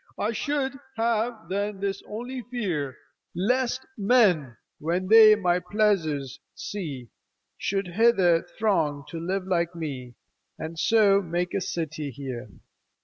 I should have then this only fear : Lest men, when they my pleasures see, Should all come imitate me, And so make a city here.